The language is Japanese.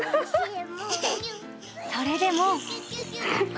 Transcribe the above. それでも。